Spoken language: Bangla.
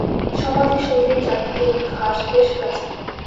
সমাধিসৌধের চারদিকের ঘাস বেশ প্রাচীন।